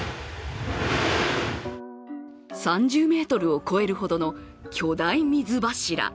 ３０ｍを超えるほどの巨大水柱。